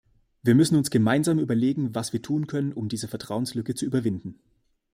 Wir müssen uns gemeinsam überlegen, was wir tun können, um diese Vertrauenslücke zu überwinden.